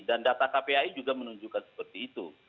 dan data kpai juga menunjukkan seperti itu